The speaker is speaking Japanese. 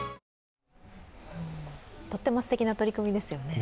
とってもすてきな取り組みですよね。